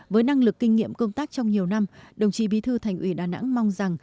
với năng lực kinh nghiệm công tác trong nhiều năm đồng chí bí thư thành ủy đà nẵng mong rằng